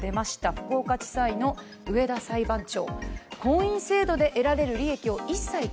福岡地裁の上田裁判長。